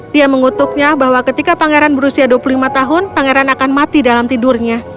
dia mengutuknya bahwa ketika pangeran berusia dua puluh lima tahun pangeran akan mati dalam tidurnya